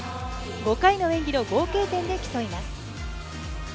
５回の演技の合計点で競います。